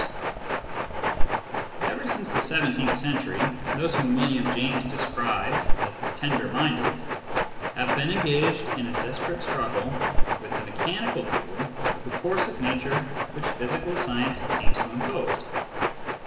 Digitized by Google CURRENT TENDENCIES 13 Ever since the seventeenth century, those whom William James described as the " tender minded " have been engaged in a desperate struggle with the mechanical view of the course of nature which physical science seems to impose.